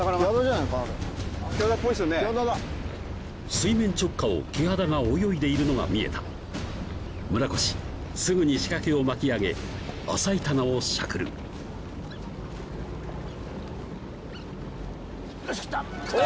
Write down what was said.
水面直下をキハダが泳いでいるのが見えた村越すぐに仕掛けを巻き上げ浅いタナをしゃくるよし食った！